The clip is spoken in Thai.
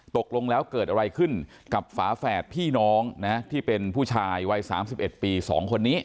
ตกลงแล้วเกิดอะไรขึ้นกับฝาแฝดพี่น้องนะที่เป็นผู้ชายวัย๓๑ปี๒คนนี้